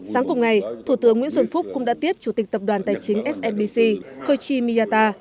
sáng cùng ngày thủ tướng nguyễn xuân phúc cũng đã tiếp chủ tịch tập đoàn tài chính smbc koichi miyata